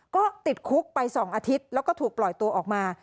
ก็ติดคุกไป๒อาทิตย์แล้วก็ถูกปล่อยตัวออกมา